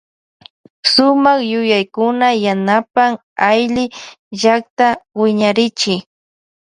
Sumak yuyaykuna yanapan aylly llakta wiñarichu.